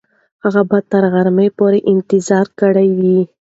هغه به تر غرمې پورې انتظار کړی وي.